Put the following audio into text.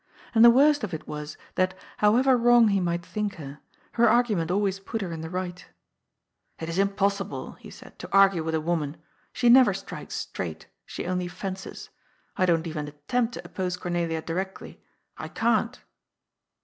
And the worst of it was that, however wrong he might think her, her argument always put her in the right *' It is impossible," he said, ^' to argue with a woman. She never strikes straight ; she only fences. I don't even attempt to oppose Cornelia directly. I can't."